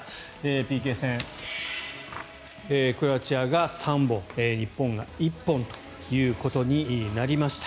ＰＫ戦、クロアチアが３本日本が１本ということになりました。